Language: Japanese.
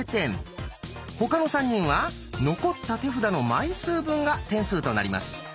他の３人は残った手札の枚数分が点数となります。